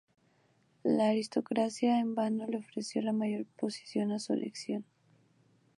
La aristocracia en vano le ofreció la mayor oposición a su elección.